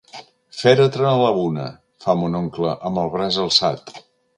Fèretre a la una, fa mon oncle, amb el braç alçat.